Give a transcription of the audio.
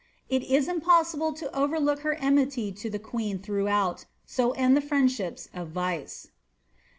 It is impossible to overlook her eninit|f to the queen throughout. So end the friendships of vice.